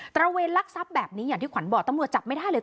ระเวนลักทรัพย์แบบนี้อย่างที่ขวัญบอกตำรวจจับไม่ได้เลย